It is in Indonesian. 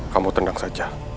kamu tenang saja